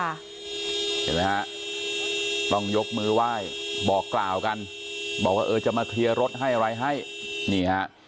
เห็นไหมฮะต้องยกมือไหว้บอกกล่าวกันบอกว่าเออจะมาเคลียร์รถให้อะไรให้นี่ฮะ